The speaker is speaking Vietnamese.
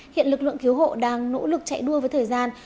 hiện lực lượng cứu hộ đang nỗ lực chạy đua với thời gian